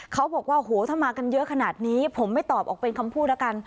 เขาบอกว่าโหถ้ามากันเยอะขนาดนี้ผมไม่ตอบออกเป็นคำพูดแล้วกัน